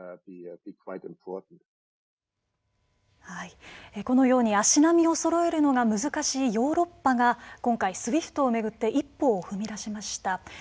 はいこのように足並みをそろえるのが難しいヨーロッパが今回ＳＷＩＦＴをめぐって一歩を踏み出しました。